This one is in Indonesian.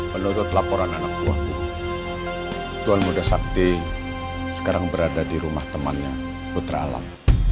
menurut laporan anak buahku tuan muda sakti sekarang berada di rumah temannya putra alam